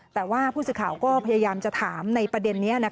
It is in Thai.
แต่ว่าผู้สื่อข่าวก็พยายามจะถามในประเด็นนี้